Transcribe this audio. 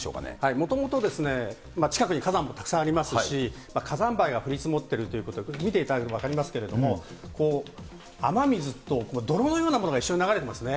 もともと近くに火山もたくさんありますし、火山灰が降り積もっているということで、見ていただくと分かりますけれども、雨水と泥のようなものが一緒に流れてますね。